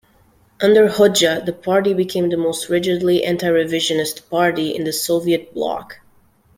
Under Hoxha, the party became the most rigidly anti-revisionist party in the Soviet bloc.